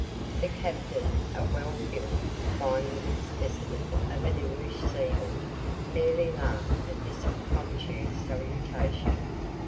The captain, a well built, fine looking specimen of an English seaman, merely laughed at this impromptu salutation.